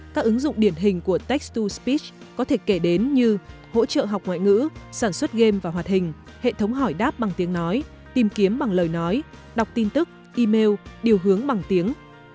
các ứng dụng điển hình của text to speech có thể kể đến như hỗ trợ học ngoại ngữ sản xuất game và hoạt hình hệ thống hỏi đáp bằng tiếng nói tìm kiếm bằng lời nói đọc tin tức email điều hướng bằng tiếng